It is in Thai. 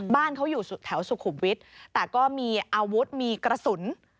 บ้านเขาอยู่แถวสุขุมวิทย์แต่ก็มีอาวุธมีกระสุน